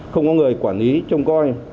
không có người quản lý